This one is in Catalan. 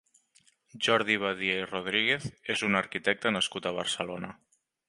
Jordi Badia i Rodríguez és un arquitecte nascut a Barcelona.